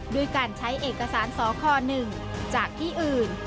ด้วยการใช้เอกสารสอข้อหนึ่งจากที่อื่น